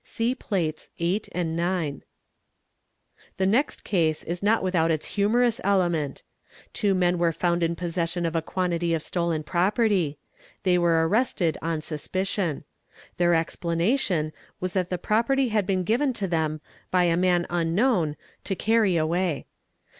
(See Plates VIII. & IX.) The next case is not without its humorous element. Two men were how eS Cer? found in possession of a quantity of stolen property. They were arrested on suspicion. Their explanation was that the property had been given to them by a man unknown to carry away.